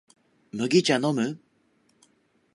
麦茶のむ？